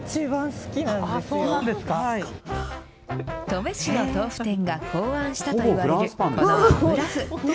登米市の豆腐店が考案したといわれる、あぶらふ。